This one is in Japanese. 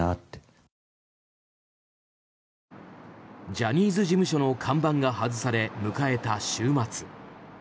ジャニーズ事務所の看板が外され、迎えた週末。